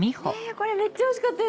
これめっちゃ欲しかったやつ。